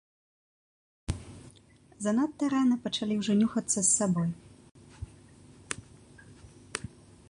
Занадта рана пачалі ўжо нюхацца з сабой.